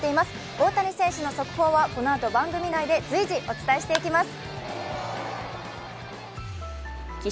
大谷選手の速報はこのあと番組内で随時お伝えしていきます。